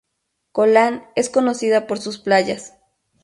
Colán es conocida por sus playas.